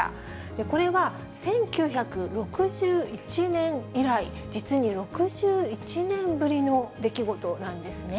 これは１９６１年以来、実に６１年ぶりの出来事なんですね。